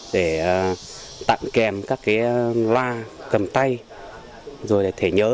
để tặng kèm các cái loa cầm tay rồi là thể nhớ